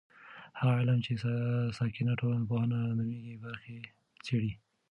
هغه علم چې ساکنه ټولنپوهنه نومیږي برخې څېړي.